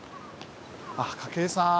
あ筧さん。